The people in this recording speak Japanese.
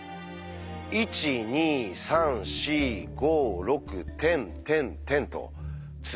１２３４５６てんてんてんと続く数。